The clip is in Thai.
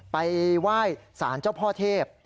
ไปไหว้สารเจ้าพ่อเทพ